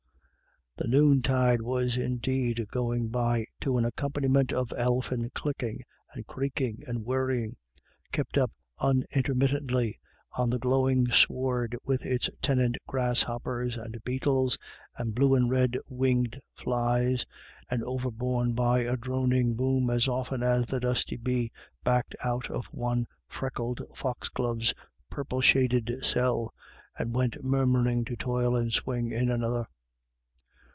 267 The noontide was indeed going by to an accom paniment of elfin clicking and creaking and whir ring, kept up unintermittently on the glowing sward with its tenant grasshoppers and beetles and blue and red winged flies, and overborne by a droning boom as often as a dusty bee backed out of one freckled foxglove's purple shaded cell, and went murmuring to toil and swing in another.